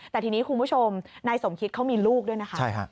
แต่ทีนี้คุณผู้ชมนายสมคิตเขามีลูกด้วยนะคะ